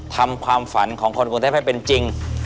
ทำความฝันของคนกรุงเทพให้เป็นจริง